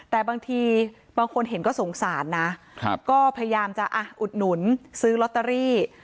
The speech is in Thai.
แต่บางทีบางคนเห็นก็สงสารนะก็พยายามจะอุดหนุนซื้อลอตเตอรี่